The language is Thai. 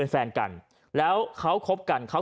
ก็ได้พลังเท่าไหร่ครับ